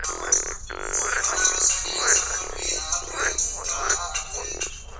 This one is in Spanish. Cada pista está llena con rampas, rieles, saltos y otros variados objetos.